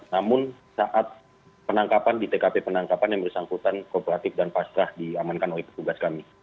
namun saat penangkapan di tkp penangkapan yang bersangkutan kooperatif dan pasrah diamankan oleh petugas kami